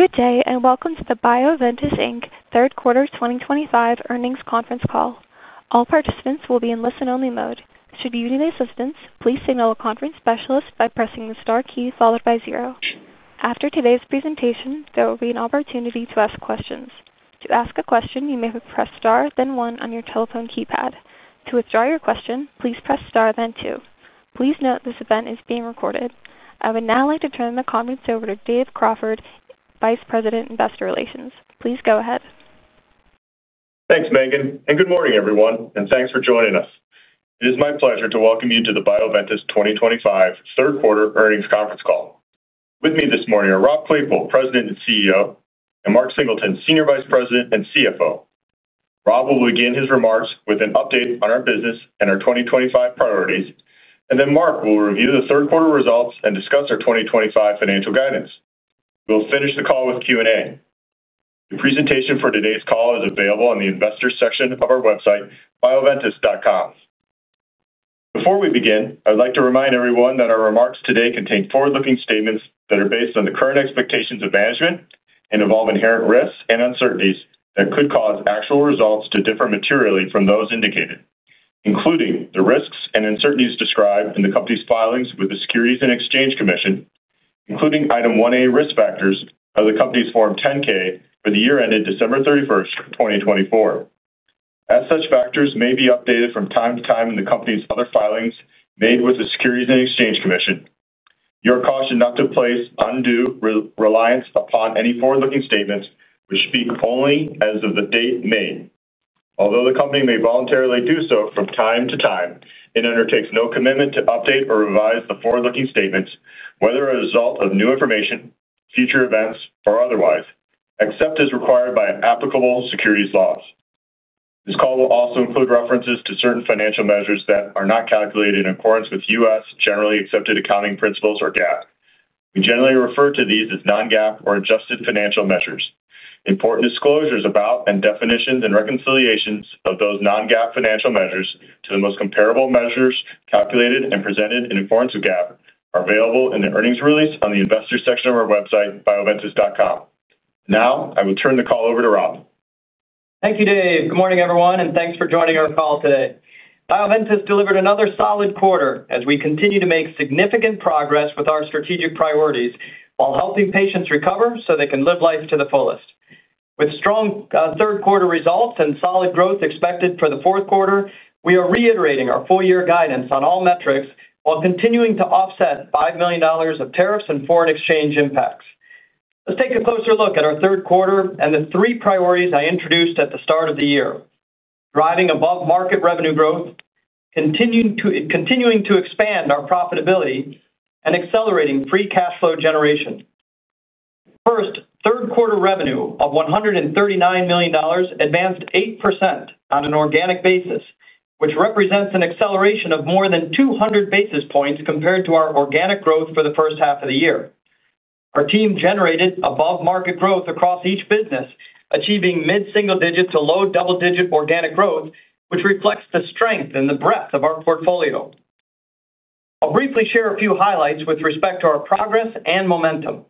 Good day, and welcome to the Bioventus Third Quarter 2025 Earnings Conference Call. All participants will be in listen-only mode. Should you need assistance, please signal a conference specialist by pressing the star key followed by zero. After today's presentation, there will be an opportunity to ask questions. To ask a question, you may press star then one on your telephone keypad. To withdraw your question, please press star then two. Please note this event is being recorded. I would now like to turn the conference over to Dave Crawford, Vice President, Investor Relations. Please go ahead. Thanks, Megan. Good morning, everyone, and thanks for joining us. It is my pleasure to welcome you to the Bioventus 2025 Third Quarter Earnings Conference Call. With me this morning are Rob Claypoole, President and CEO, and Mark Singleton, Senior Vice President and CFO. Rob will begin his remarks with an update on our business and our 2025 priorities, and then Mark will review the third quarter results and discuss our 2025 financial guidance. We'll finish the call with Q&A. The presentation for today's call is available on the Investors section of our website, bioventus.com. Before we begin, I would like to remind everyone that our remarks today contain forward-looking statements that are based on the current expectations of management and involve inherent risks and uncertainties that could cause actual results to differ materially from those indicated, including the risks and uncertainties described in the company's filings with the Securities and Exchange Commission, including Item 1A risk factors of the company's Form 10-K for the year ended December 31, 2024. As such, factors may be updated from time to time in the company's other filings made with the Securities and Exchange Commission. You are cautioned not to place undue reliance upon any forward-looking statements, which speak only as of the date made. Although the company may voluntarily do so from time to time, it undertakes no commitment to update or revise the forward-looking statements, whether a result of new information, future events, or otherwise, except as required by applicable securities laws. This call will also include references to certain financial measures that are not calculated in accordance with U.S. generally accepted accounting principles or GAAP. We generally refer to these as non-GAAP or adjusted financial measures. Important disclosures about and definitions and reconciliations of those non-GAAP financial measures to the most comparable measures calculated and presented in accordance with GAAP are available in the earnings release on the Investors section of our website, bioventus.com. Now, I will turn the call over to Rob. Thank you, Dave. Good morning, everyone, and thanks for joining our call today. Bioventus delivered another solid quarter as we continue to make significant progress with our strategic priorities while helping patients recover so they can live life to the fullest. With strong third quarter results and solid growth expected for the fourth quarter, we are reiterating our four-year guidance on all metrics while continuing to offset $5 million of tariffs and foreign exchange impacts. Let's take a closer look at our third quarter and the three priorities I introduced at the start of the year: driving above market revenue growth, continuing to expand our profitability, and accelerating free cash flow generation. First, third quarter revenue of $139 million advanced 8% on an organic basis, which represents an acceleration of more than 200 basis points compared to our organic growth for the first half of the year. Our team generated above-market growth across each business, achieving mid-single digit to low double-digit organic growth, which reflects the strength and the breadth of our portfolio. I'll briefly share a few highlights with respect to our progress and momentum.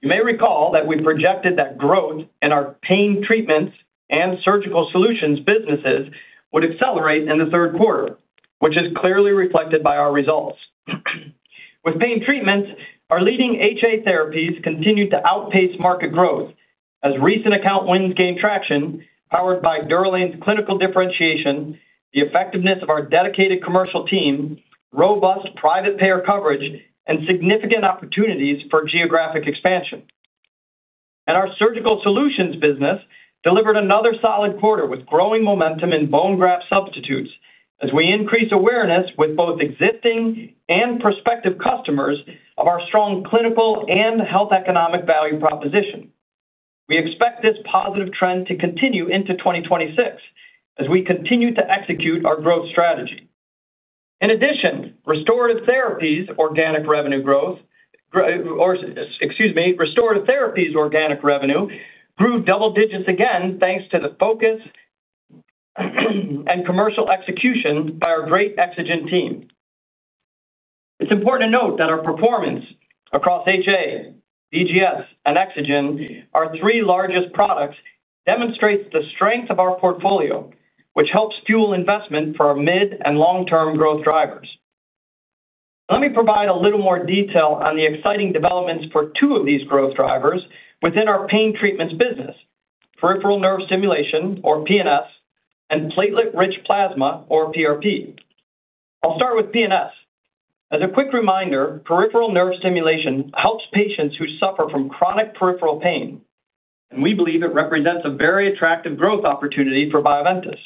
You may recall that we projected that growth in our pain treatments and surgical solutions businesses would accelerate in the third quarter, which is clearly reflected by our results. With pain treatments, our leading HA therapies continued to outpace market growth as recent account wins gained traction powered by DUROLANE's clinical differentiation, the effectiveness of our dedicated commercial team, robust private payer coverage, and significant opportunities for geographic expansion. Our surgical solutions business delivered another solid quarter with growing momentum in bone graft substitutes as we increase awareness with both existing and prospective customers of our strong clinical and health economic value proposition. We expect this positive trend to continue into 2026 as we continue to execute our growth strategy. In addition, restorative therapies' organic revenue growth—excuse me, restorative therapies' organic revenue—grew double digits again thanks to the focus and commercial execution by our great EXOGEN team. It's important to note that our performance across HA, VGS, and EXOGEN, our three largest products, demonstrates the strength of our portfolio, which helps fuel investment for our mid and long-term growth drivers. Let me provide a little more detail on the exciting developments for two of these growth drivers within our pain treatments business: peripheral nerve stimulation, or PNS, and platelet-rich plasma, or PRP. I'll start with PNS. As a quick reminder, peripheral nerve stimulation helps patients who suffer from chronic peripheral pain, and we believe it represents a very attractive growth opportunity for Bioventus.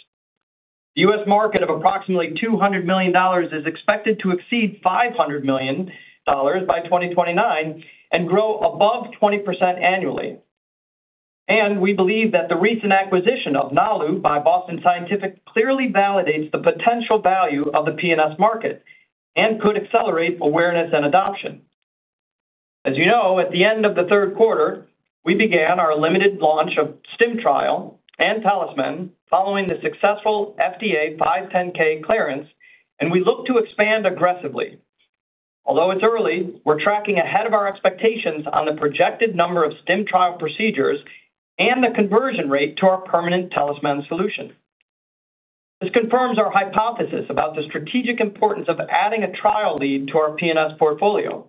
The U.S. market of approximately $200 million is expected to exceed $500 million by 2029 and grow above 20% annually. We believe that the recent acquisition of Nalu by Boston Scientific clearly validates the potential value of the PNS market and could accelerate awareness and adoption. As you know, at the end of the third quarter, we began our limited launch of StimTrial and TalisMann following the successful FDA 510(k) clearance, and we look to expand aggressively. Although it's early, we're tracking ahead of our expectations on the projected number of StimTrial procedures and the conversion rate to our permanent TalisMann solution. This confirms our hypothesis about the strategic importance of adding a trial lead to our PNS portfolio.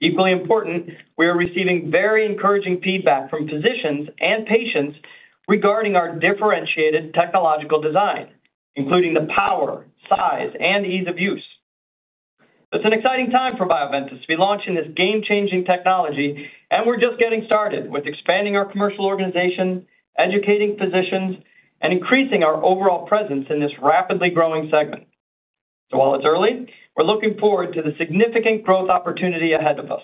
Equally important, we are receiving very encouraging feedback from physicians and patients regarding our differentiated technological design, including the power, size, and ease of use. It's an exciting time for Bioventus to be launching this game-changing technology, and we're just getting started with expanding our commercial organization, educating physicians, and increasing our overall presence in this rapidly growing segment. While it's early, we're looking forward to the significant growth opportunity ahead of us.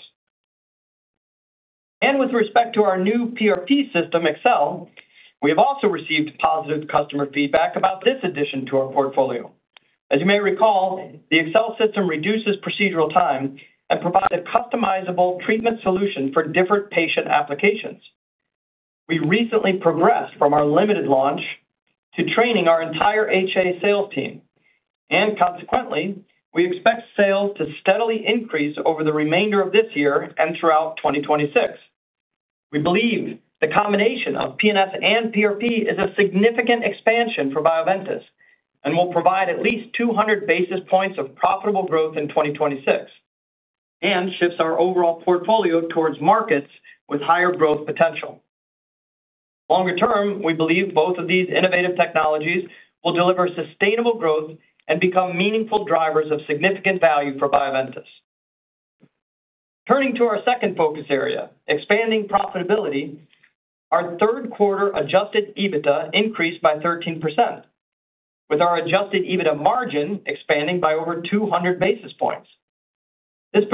With respect to our new PRP system, Excel, we have also received positive customer feedback about this addition to our portfolio. As you may recall, the Excel system reduces procedural time and provides a customizable treatment solution for different patient applications. We recently progressed from our limited launch to training our entire HA sales team, and consequently, we expect sales to steadily increase over the remainder of this year and throughout 2026. We believe the combination of PNS and PRP is a significant expansion for Bioventus and will provide at least 200 basis points of profitable growth in 2026 and shifts our overall portfolio towards markets with higher growth potential. Longer term, we believe both of these innovative technologies will deliver sustainable growth and become meaningful drivers of significant value for Bioventus. Turning to our second focus area, expanding profitability, our third quarter Adjusted EBITDA increased by 13%, with our Adjusted EBITDA margin expanding by over 200 basis points. This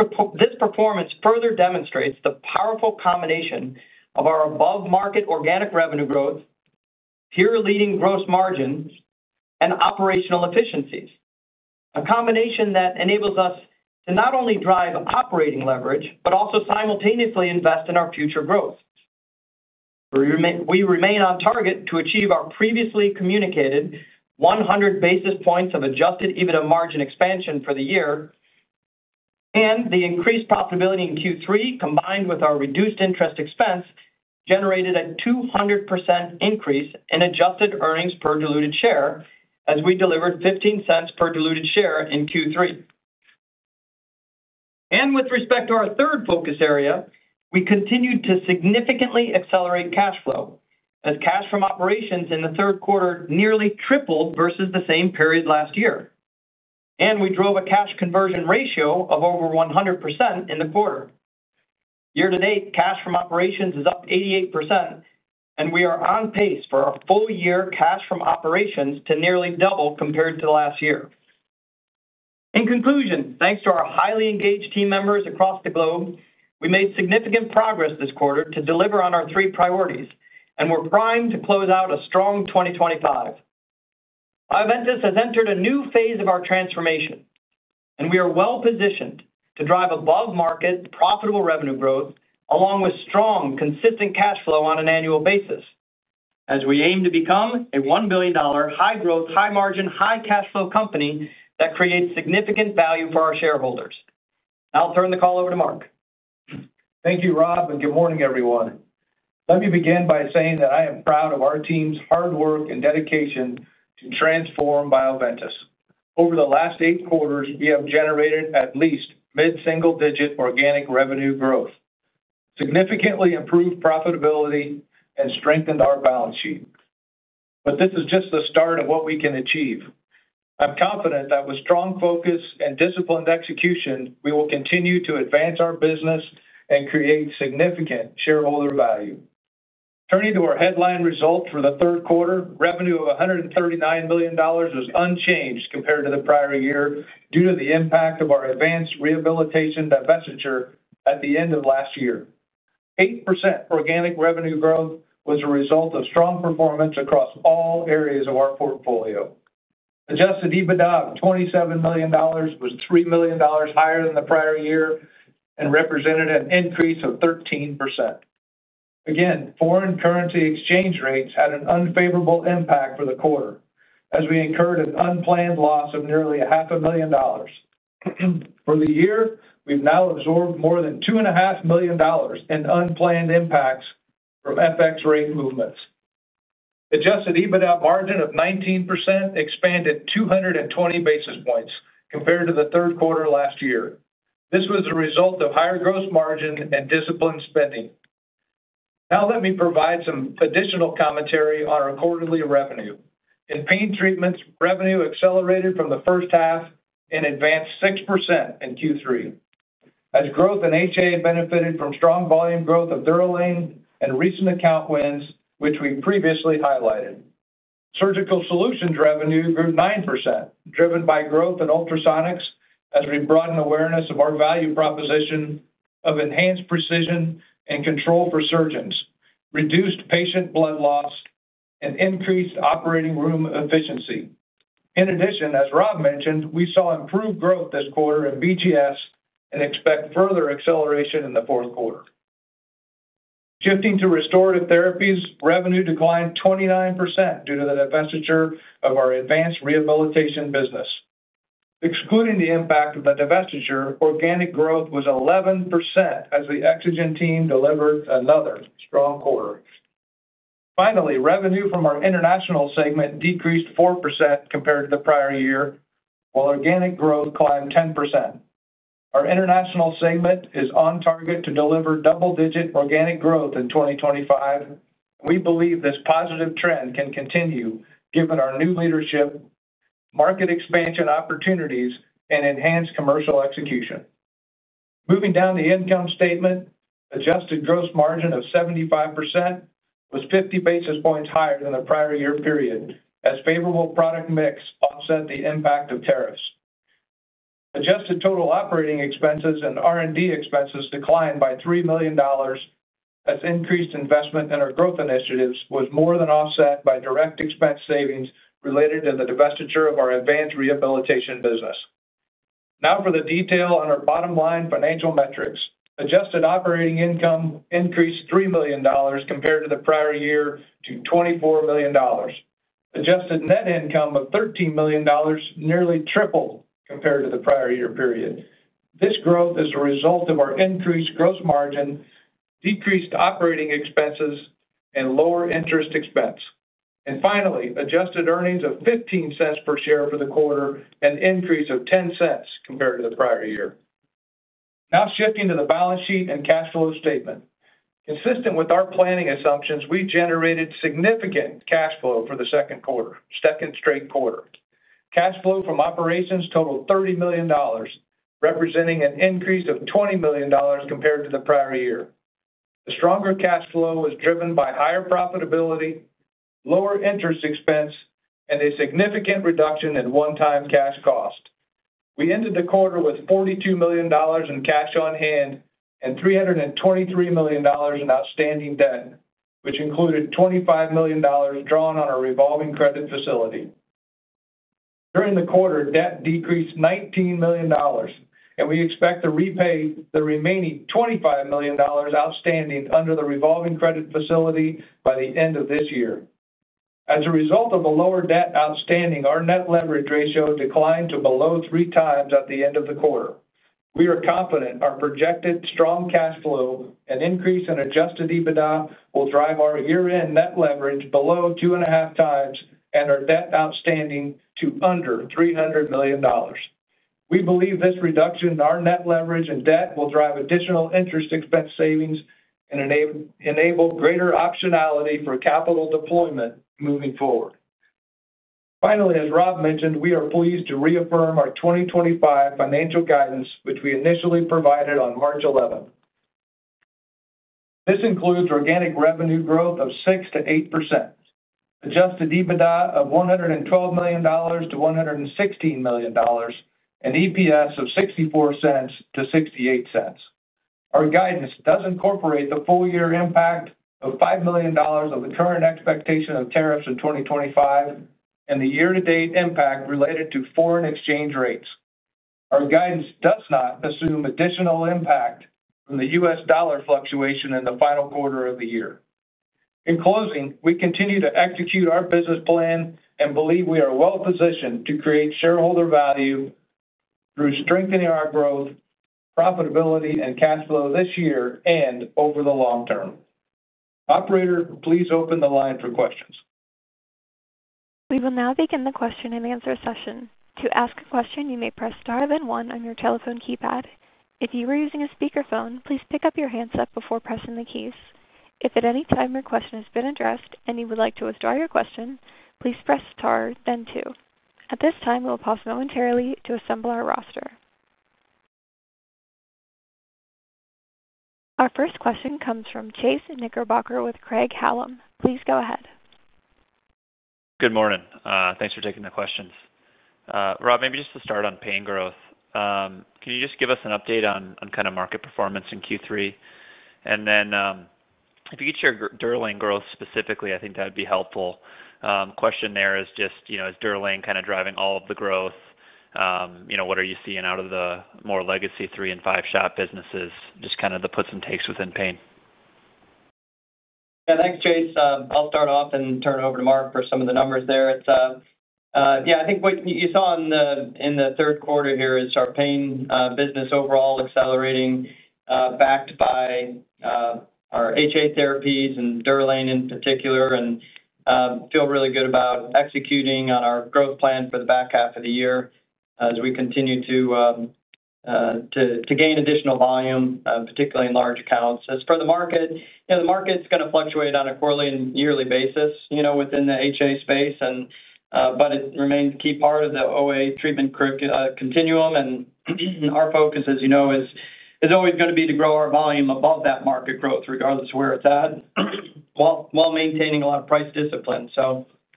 performance further demonstrates the powerful combination of our above-market organic revenue growth, peer-leading gross margins, and operational efficiencies, a combination that enables us to not only drive operating leverage but also simultaneously invest in our future growth. We remain on target to achieve our previously communicated 100 basis points of Adjusted EBITDA margin expansion for the year, and the increased profitability in Q3 combined with our reduced interest expense generated a 200% increase in adjusted earnings per diluted share as we delivered $0.15 per diluted share in Q3. With respect to our third focus area, we continued to significantly accelerate cash flow as cash from operations in the third quarter nearly tripled versus the same period last year, and we drove a cash conversion ratio of over 100% in the quarter. Year to date, cash from operations is up 88%, and we are on pace for our full-year cash from operations to nearly double compared to last year. In conclusion, thanks to our highly engaged team members across the globe, we made significant progress this quarter to deliver on our three priorities and were primed to close out a strong 2025. Bioventus has entered a new phase of our transformation, and we are well-positioned to drive above-market profitable revenue growth along with strong, consistent cash flow on an annual basis as we aim to become a $1 billion high-growth, high-margin, high-cash flow company that creates significant value for our shareholders. Now, I'll turn the call over to Mark. Thank you, Rob, and good morning, everyone. Let me begin by saying that I am proud of our team's hard work and dedication to transform Bioventus. Over the last eight quarters, we have generated at least mid-single digit organic revenue growth, significantly improved profitability, and strengthened our balance sheet. This is just the start of what we can achieve. I'm confident that with strong focus and disciplined execution, we will continue to advance our business and create significant shareholder value. Turning to our headline results for the third quarter, revenue of $139 million was unchanged compared to the prior year due to the impact of our Advanced Rehabilitation Business divestiture at the end of last year. 8% organic revenue growth was a result of strong performance across all areas of our portfolio. Adjusted EBITDA of $27 million was $3 million higher than the prior year and represented an increase of 13%. Foreign currency exchange rates had an unfavorable impact for the quarter as we incurred an unplanned loss of nearly $500,000. For the year, we've now absorbed more than $2.5 million in unplanned impacts from FX rate movements. Adjusted EBITDA margin of 19% expanded 220 basis points compared to the third quarter last year. This was the result of higher gross margin and disciplined spending. Now, let me provide some additional commentary on our quarterly revenue. In Pain Treatments, revenue accelerated from the first half and advanced 6% in Q3 as growth in HA benefited from strong volume growth of DUROLANE and recent account wins, which we previously highlighted. Surgical Solutions revenue grew 9%, driven by growth in Ultrasonics as we broadened awareness of our value proposition of enhanced precision and control for surgeons, reduced patient blood loss, and increased operating room efficiency. In addition, as Rob mentioned, we saw improved growth this quarter in VGS and expect further acceleration in the fourth quarter. Shifting to Restorative Therapies, revenue declined 29% due to the divestiture of our Advanced Rehabilitation Business. Excluding the impact of the divestiture, organic growth was 11% as the EXOGEN team delivered another strong quarter. Finally, revenue from our international segment decreased 4% compared to the prior year, while organic growth climbed 10%. Our international segment is on target to deliver double-digit organic growth in 2025, and we believe this positive trend can continue given our new leadership, market expansion opportunities, and enhanced commercial execution. Moving down the income statement, adjusted gross margin of 75% was 50 basis points higher than the prior year period as favorable product mix offset the impact of tariffs. Adjusted total operating expenses and R&D expenses declined by $3 million as increased investment in our growth initiatives was more than offset by direct expense savings related to the divestiture of our Advanced Rehabilitation Business. Now, for the detail on our bottom line financial metrics, adjusted operating income increased $3 million compared to the prior year to $24 million. Adjusted net income of $13 million nearly tripled compared to the prior year period. This growth is a result of our increased gross margin, decreased operating expenses, and lower interest expense. Finally, adjusted earnings of $0.15 per share for the quarter, an increase of $0.10 compared to the prior year. Now, shifting to the balance sheet and cash flow statement. Consistent with our planning assumptions, we generated significant cash flow for the second straight quarter. Cash flow from operations totaled $30 million, representing an increase of $20 million compared to the prior year. The stronger cash flow was driven by higher profitability, lower interest expense, and a significant reduction in one-time cash cost. We ended the quarter with $42 million in cash on hand and $323 million in outstanding debt, which included $25 million drawn on our revolving credit facility. During the quarter, debt decreased $19 million, and we expect to repay the remaining $25 million outstanding under the revolving credit facility by the end of this year. As a result of lower debt outstanding, our net leverage ratio declined to below three times at the end of the quarter. We are confident our projected strong cash flow and increase in Adjusted EBITDA will drive our year-end net leverage below two and a half times and our debt outstanding to under $300 million. We believe this reduction in our net leverage and debt will drive additional interest expense savings and enable greater optionality for capital deployment moving forward. Finally, as Rob mentioned, we are pleased to reaffirm our 2025 financial guidance, which we initially provided on March 11th. This includes organic revenue growth of 6%-8%, Adjusted EBITDA of $112 million-$116 million, and EPS of $0.64-$0.68. Our guidance does incorporate the full-year impact of $5 million of the current expectation of tariffs in 2025 and the year-to-date impact related to foreign exchange rates. Our guidance does not assume additional impact from the U.S. dollar fluctuation in the final quarter of the year. In closing, we continue to execute our business plan and believe we are well-positioned to create shareholder value through strengthening our growth, profitability, and cash flow this year and over the long term. Operator, please open the line for questions. We will now begin the question and answer session. To ask a question, you may press star then one on your telephone keypad. If you are using a speakerphone, please pick up your handset before pressing the keys. If at any time your question has been addressed and you would like to withdraw your question, please press star, then two. At this time, we will pause momentarily to assemble our roster. Our first question comes from Chase Knickerbocker with Craig-Hallum. Please go ahead. Good morning. Thanks for taking the questions. Rob, maybe just to start on pain growth. Can you just give us an update on kind of market performance in Q3? If you could share DUROLANE growth specifically, I think that would be helpful. Question there is just, is DUROLANE kind of driving all of the growth? What are you seeing out of the more legacy three and five shop businesses? Just kind of the puts and takes within pain. Yeah, thanks, Chase. I'll start off and turn it over to Mark for some of the numbers there. Yeah, I think what you saw in the third quarter here is our pain business overall accelerating, backed by our HA therapies and DUROLANE in particular, and feel really good about executing on our growth plan for the back half of the year as we continue to gain additional volume, particularly in large accounts. As for the market, the market's going to fluctuate on a quarterly and yearly basis within the HA space, but it remains a key part of the OA treatment continuum. Our focus, as you know, is always going to be to grow our volume above that market growth, regardless of where it's at, while maintaining a lot of price discipline.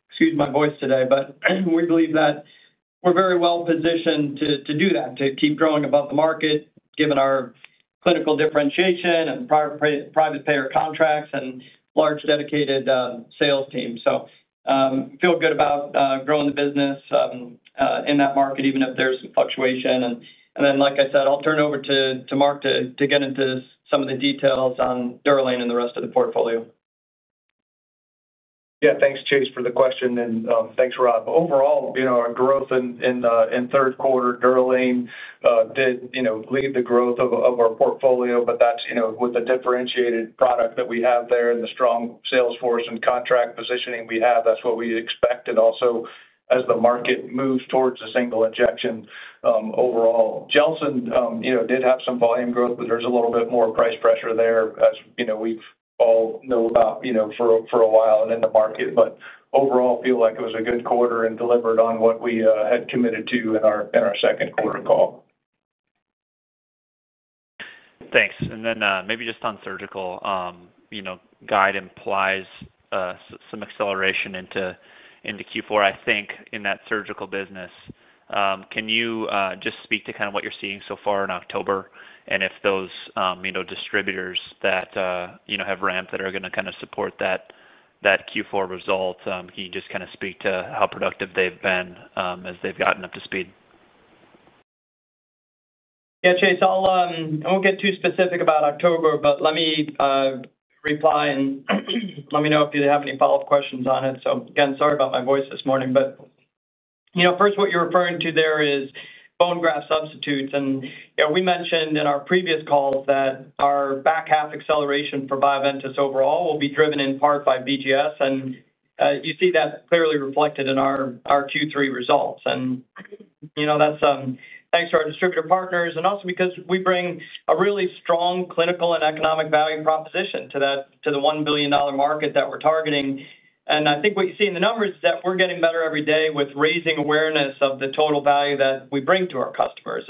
Excuse my voice today, but we believe that we're very well-positioned to do that, to keep growing above the market, given our clinical differentiation and private payer contracts and large dedicated sales teams. Feel good about growing the business in that market, even if there's some fluctuation. Like I said, I'll turn it over to Mark to get into some of the details on DUROLANE and the rest of the portfolio. Yeah, thanks, Chase, for the question, and thanks, Rob. Overall, our growth in third quarter, DUROLANE did lead the growth of our portfolio, but that's with the differentiated product that we have there and the strong sales force and contract positioning we have. That's what we expected. Also, as the market moves towards a single injection overall, Gelsyn did have some volume growth, but there's a little bit more price pressure there as we've all known about for a while and in the market. Overall, I feel like it was a good quarter and delivered on what we had committed to in our second quarter call. Thanks. Maybe just on surgical. Guide implies some acceleration into Q4, I think, in that surgical business. Can you just speak to kind of what you're seeing so far in October and if those distributors that have ramped that are going to kind of support that Q4 result? Can you just kind of speak to how productive they've been as they've gotten up to speed? Yeah, Chase, I won't get too specific about October, but let me reply and let me know if you have any follow-up questions on it. So again, sorry about my voice this morning, but first, what you're referring to there is bone graft substitutes. And we mentioned in our previous calls that our back half acceleration for Bioventus overall will be driven in part by VGS, and you see that clearly reflected in our Q3 results. Thanks to our distributor partners and also because we bring a really strong clinical and economic value proposition to the $1 billion market that we're targeting. I think what you see in the numbers is that we're getting better every day with raising awareness of the total value that we bring to our customers.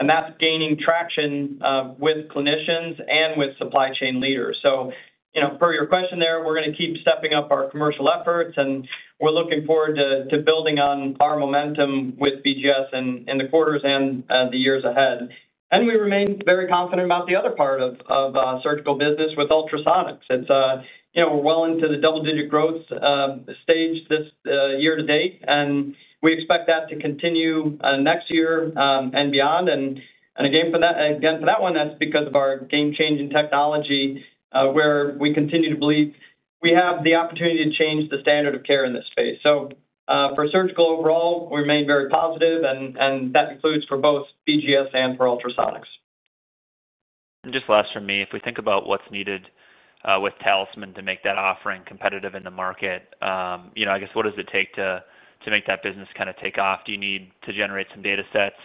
That's gaining traction with clinicians and with supply chain leaders. Per your question there, we're going to keep stepping up our commercial efforts, and we're looking forward to building on our momentum with VGS in the quarters and the years ahead. We remain very confident about the other part of surgical business with ultrasonics. We're well into the double-digit growth stage this year to date, and we expect that to continue next year and beyond. For that one, that's because of our game-changing technology where we continue to believe we have the opportunity to change the standard of care in this space. For surgical overall, we remain very positive, and that includes for both VGS and for ultrasonics. Just last from me, if we think about what's needed with TalisMann to make that offering competitive in the market. I guess, what does it take to make that business kind of take off? Do you need to generate some data sets?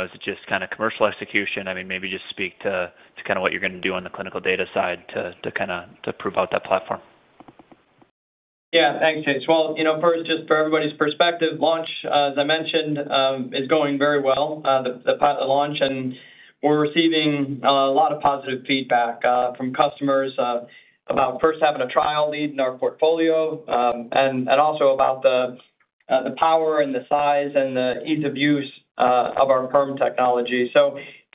Is it just kind of commercial execution? I mean, maybe just speak to kind of what you're going to do on the clinical data side to kind of prove out that platform. Yeah, thanks, Chase. First, just for everybody's perspective, launch, as I mentioned, is going very well, the pilot launch, and we're receiving a lot of positive feedback from customers about first having a trial lead in our portfolio and also about the power and the size and the ease of use of our firm technology.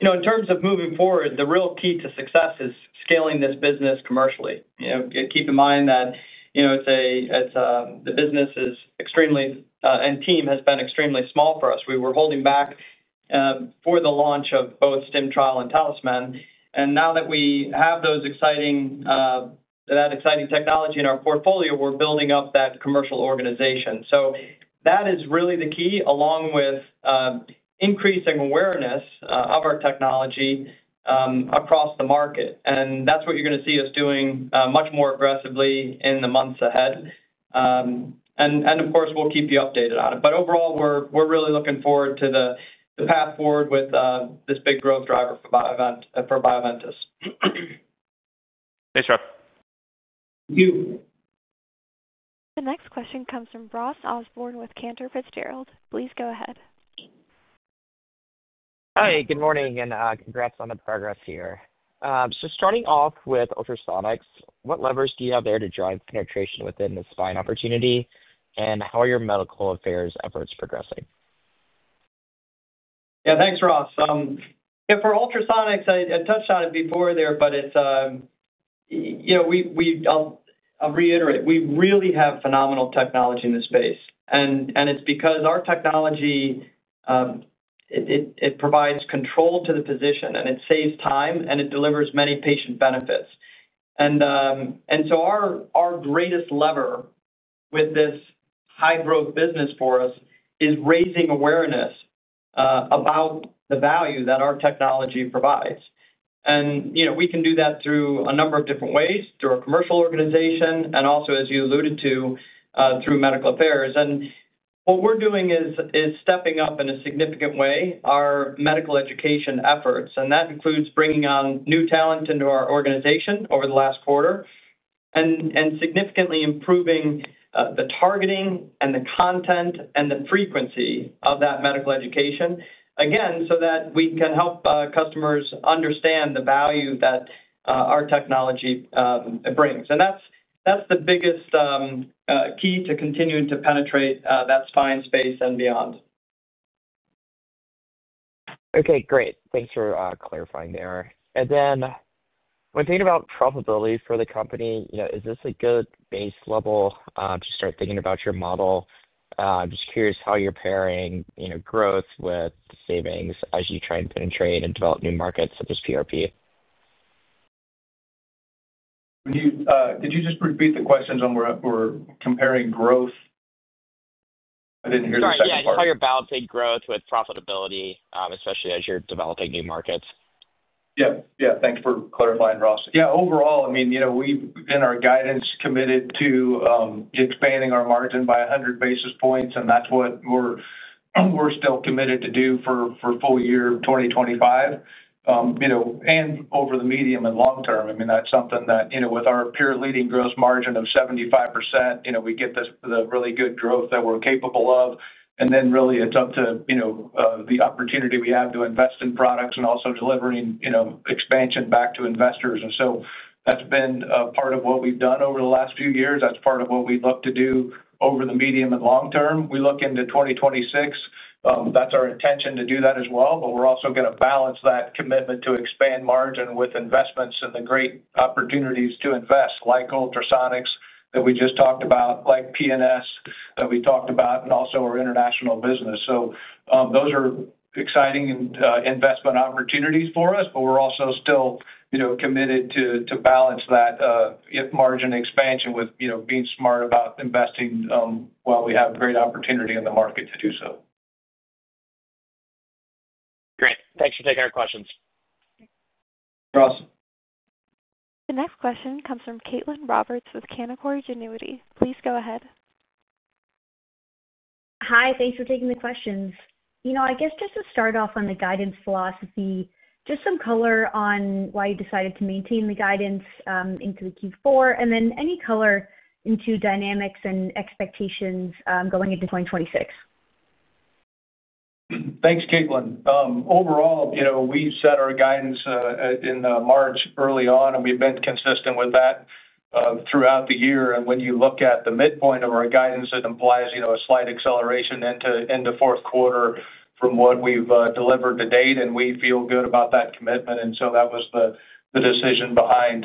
In terms of moving forward, the real key to success is scaling this business commercially. Keep in mind that the business is extremely and team has been extremely small for us. We were holding back for the launch of both StimTrial and TalisMann. Now that we have that exciting technology in our portfolio, we're building up that commercial organization. That is really the key, along with increasing awareness of our technology across the market. That's what you're going to see us doing much more aggressively in the months ahead. Of course, we'll keep you updated on it. Overall, we're really looking forward to the path forward with this big growth driver for Bioventus. Thanks, Rob. Thank you. The next question comes from Ross Osborn with Cantor Fitzgerald. Please go ahead. Hi, good morning and congrats on the progress here. Starting off with ultrasonics, what levers do you have there to drive penetration within the spine opportunity? How are your medical affairs efforts progressing? Yeah, thanks, Ross. Yeah, for ultrasonics, I touched on it before there, but I'll reiterate, we really have phenomenal technology in this space. It's because our technology provides control to the position, and it saves time, and it delivers many patient benefits. Our greatest lever with this high-growth business for us is raising awareness about the value that our technology provides. We can do that through a number of different ways, through our commercial organization, and also, as you alluded to, through medical affairs. What we're doing is stepping up in a significant way our medical education efforts. That includes bringing on new talent into our organization over the last quarter and significantly improving the targeting and the content and the frequency of that medical education, again, so that we can help customers understand the value that our technology brings. That's the biggest key to continuing to penetrate that spine space and beyond. Okay, great. Thanks for clarifying there. When thinking about profitability for the company, is this a good base level to start thinking about your model? I'm just curious how you're pairing growth with savings as you try and penetrate and develop new markets such as PRP. Could you just repeat the questions on where we're comparing growth? I didn't hear the second part. Yeah, how you're balancing growth with profitability, especially as you're developing new markets. Yeah, yeah. Thanks for clarifying, Ross. Yeah, overall, I mean, we've been our guidance committed to expanding our margin by 100 basis points, and that's what we're still committed to do for full year 2025. And over the medium and long term, I mean, that's something that with our peer-leading gross margin of 75%, we get the really good growth that we're capable of. And then really, it's up to the opportunity we have to invest in products and also delivering expansion back to investors. And so that's been part of what we've done over the last few years. That's part of what we look to do over the medium and long term. We look into 2026. That's our intention to do that as well, but we're also going to balance that commitment to expand margin with investments and the great opportunities to invest like ultrasonics that we just talked about, like PNS that we talked about, and also our international business. Those are exciting investment opportunities for us, but we're also still committed to balance that margin expansion with being smart about investing while we have great opportunity in the market to do so. Great. Thanks for taking our questions. Ross. The next question comes from Caitlin Roberts with Canaccord Genuity. Please go ahead. Hi, thanks for taking the questions. I guess just to start off on the guidance philosophy, just some color on why you decided to maintain the guidance into the Q4, and then any color into dynamics and expectations going into 2026. Thanks, Caitlin. Overall, we set our guidance in March early on, and we've been consistent with that throughout the year. When you look at the midpoint of our guidance, it implies a slight acceleration into fourth quarter from what we've delivered to date, and we feel good about that commitment. That was the decision behind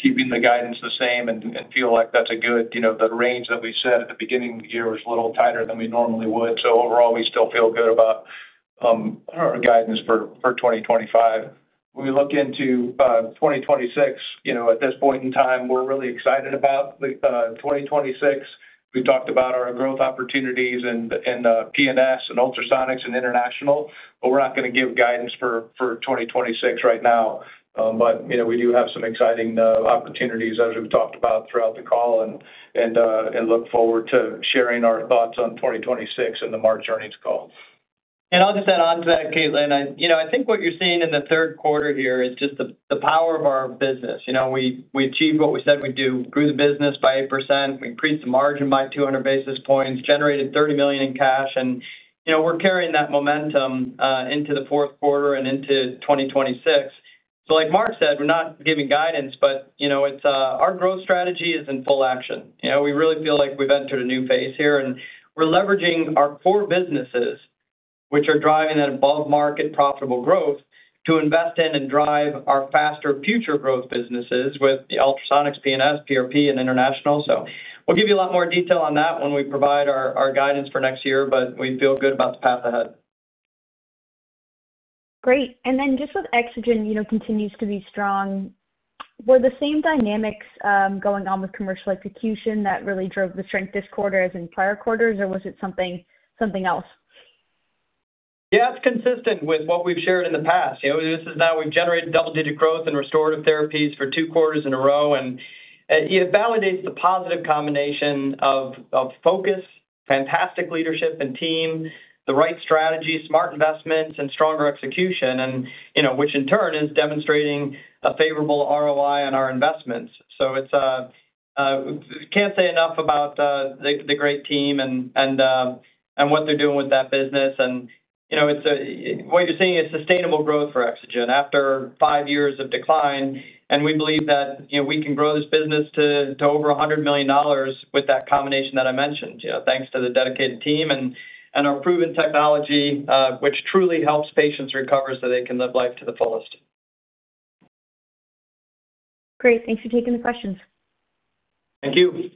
keeping the guidance the same and feel like that's a good range. The range that we set at the beginning of the year was a little tighter than we normally would. Overall, we still feel good about our guidance for 2025. When we look into 2026, at this point in time, we're really excited about 2026. We talked about our growth opportunities in PNS and ultrasonics and international, but we're not going to give guidance for 2026 right now. We do have some exciting opportunities, as we've talked about throughout the call, and look forward to sharing our thoughts on 2026 in the March earnings call. I'll just add on to that, Caitlin. I think what you're seeing in the third quarter here is just the power of our business. We achieved what we said we'd do, grew the business by 8%, we increased the margin by 200 basis points, generated $30 million in cash, and we're carrying that momentum into the fourth quarter and into 2026. Like Mark said, we're not giving guidance, but our growth strategy is in full action. We really feel like we've entered a new phase here, and we're leveraging our core businesses, which are driving that above-market profitable growth, to invest in and drive our faster future growth businesses with the ultrasonics, PNS, PRP, and international. We'll give you a lot more detail on that when we provide our guidance for next year, but we feel good about the path ahead. Great. And then just with EXOGEN continues to be strong. Were the same dynamics going on with commercial execution that really drove the strength this quarter as in prior quarters, or was it something else? Yeah, it's consistent with what we've shared in the past. This is now we've generated double-digit growth in Restorative Therapies for two quarters in a row, and it validates the positive combination of focus, fantastic leadership and team, the right strategy, smart investments, and stronger execution, which in turn is demonstrating a favorable ROI on our investments. Can't say enough about the great team and what they're doing with that business. What you're seeing is sustainable growth for EXOGEN after five years of decline. We believe that we can grow this business to over $100 million with that combination that I mentioned, thanks to the dedicated team and our proven technology, which truly helps patients recover so they can live life to the fullest. Great. Thanks for taking the questions. Thank you.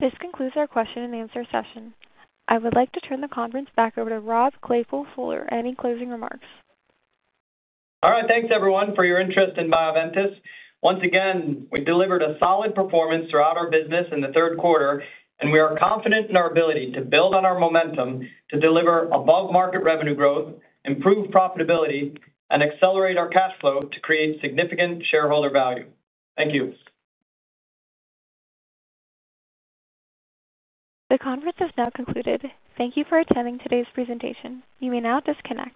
This concludes our question and answer session. I would like to turn the conference back over to Rob Claypoole for any closing remarks. All right, thanks, everyone, for your interest in Bioventus. Once again, we delivered a solid performance throughout our business in the third quarter, and we are confident in our ability to build on our momentum to deliver above-market revenue growth, improve profitability, and accelerate our cash flow to create significant shareholder value. Thank you. The conference has now concluded. Thank you for attending today's presentation. You may now disconnect.